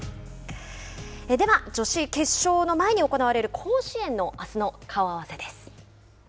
では、女子決勝の前に行われる甲子園のあすの顔合わせです。